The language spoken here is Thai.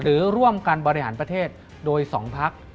หรือร่วมกันบริหารประเทศโดย๒พัก